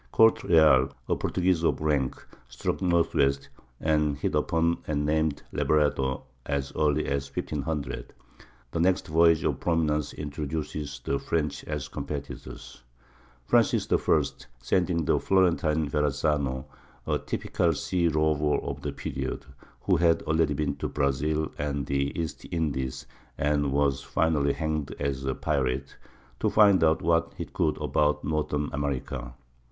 Corte Real, a Portuguese of rank, struck northwest, and hit upon and named Labrador as early as 1500. The next voyage of prominence introduces the French as competitors, Francis I sending the Florentine Verrazano, a typical sea rover of the period, who had already been to Brazil and the East Indies and was finally hanged as a pirate, to find out what he could about northern America.